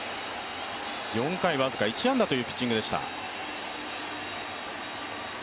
４回僅か１安打というピッチングでした。